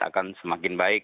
akan semakin baik